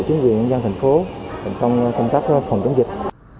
chính quyền nhân dân thành phố thành phong công tác phòng chống dịch